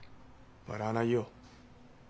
笑わないよ。